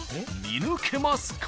見抜けますか？］